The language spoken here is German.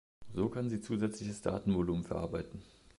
So kann sie zusätzliches Datenvolumen verarbeiten.